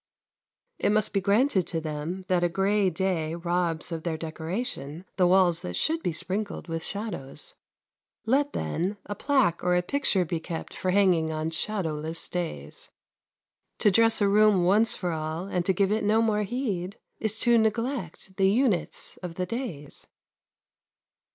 It must be granted to them that a grey day robs of their decoration the walls that should be sprinkled with shadows. Let, then, a plaque or a picture be kept for hanging on shadowless clays. To dress a room once for all, and to give it no more heed, is to neglect the units of the days.